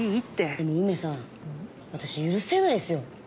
でもウメさん私許せないですよ。